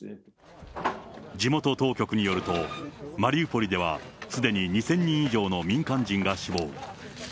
地元当局によると、マリウポリではすでに２０００人以上の民間人が死亡。